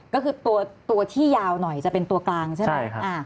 ก็คือตัวที่ยาวหน่อยจะเป็นตัวกลางใช่ไหม